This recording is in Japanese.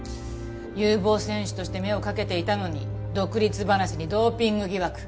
有望選手として目をかけていたのに独立話にドーピング疑惑。